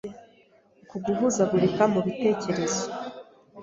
Uku guhuzagurika mu bitekerezo